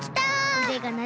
うでがなる。